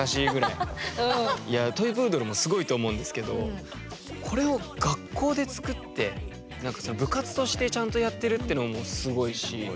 いやあトイプードルもすごいと思うんですけどこれを学校で作って何かその部活としてちゃんとやってるっていうのもすごいし。